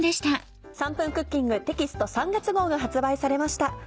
『３分クッキング』テキスト３月号が発売されました。